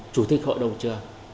chủ tịch hội đồng trường